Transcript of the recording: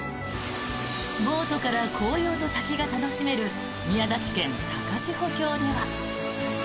ボートから紅葉と滝が楽しめる宮崎県・高千穂峡では。